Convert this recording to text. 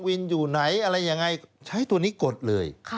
อยู่ไหนอะไรยังไงใช้ตัวนี้กดเลย